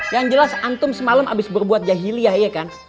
yang jelas antum semalam abis berbuat jahiliyah ya kan